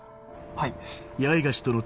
はい。